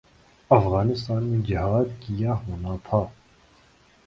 افغانستان میں جہاد کیا ہونا تھا۔